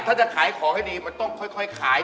ถ้าจะขายของให้ดีมันต้องค่อยขาย